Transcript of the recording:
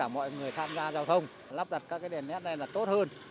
mọi người tham gia giao thông lắp đặt các cái đèn nét này là tốt hơn